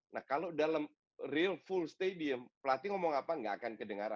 nah kalau dalam real full stadium pelatih ngomong apa nggak akan kedengaran